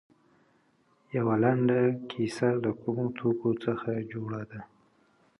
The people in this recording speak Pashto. یوه لنډه کیسه له کومو توکو څخه جوړه ده.